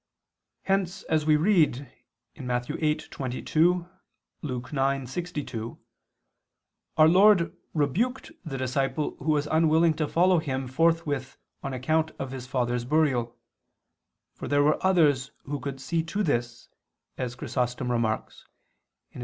Hence as we read (Matt. 8:22; Luke 9:62) our Lord rebuked the disciple who was unwilling to follow him forthwith on account of his father's burial: for there were others who could see to this, as Chrysostom remarks [*Hom.